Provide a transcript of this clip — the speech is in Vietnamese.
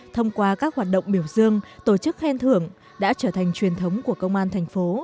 thông qua các hoạt động biểu dương tổ chức khen thưởng đã trở thành truyền thống của công an thành phố